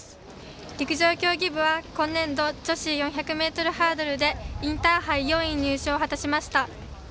陸上競技部は、今年度女子４００ｍハードルでインターハイ４位入賞を果たしました。